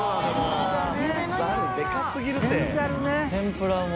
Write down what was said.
天ぷらも。